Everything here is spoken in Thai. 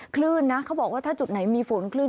คลื่นนะเขาบอกว่าถ้าจุดไหนมีฝนคลื่น